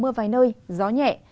mưa vài nơi gió nhẹ